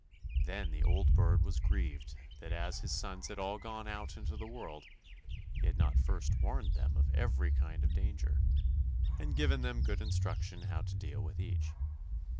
Then the old bird was grieved that as his sons had all gone out into the world, he had not first warned them of every kind of danger, and given them good instruction how to deal with each.